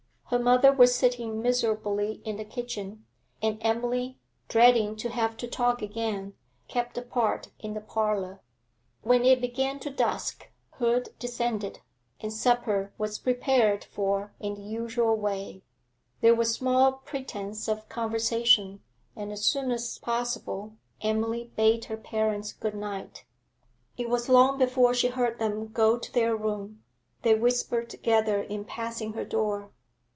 Her mother was sitting miserably in the kitchen, and Emily, dreading to have to talk again, kept apart in the parlour. When it began to dusk, Hood descended, and supper was prepared for in the usual way. There was small pretence of conversation, and, as soon as possible, Emily bade her parents good night. It was long before she heard them go to their room; they whispered together in passing her door.